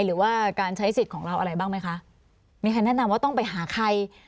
หรือว่าการใช้สิทธิ์ของเราอะไรบ้างไหมคะมีใครแนะนำว่าต้องไปหาใคร